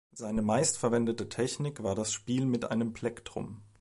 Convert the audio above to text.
Seine meist verwendete Technik war das Spiel mit einem Plektrum.